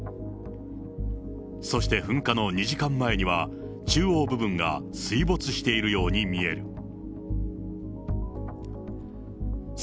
そして噴火の２時間前には、中央部分が水没しているように見える。